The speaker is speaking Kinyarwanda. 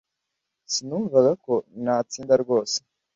sinumvaga ko natsinda rwose